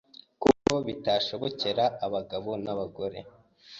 kuko bitashobokera abagabo n’abagore,